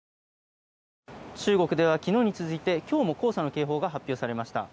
中国では昨日に続いて、今日も黄砂の警報が発表されました。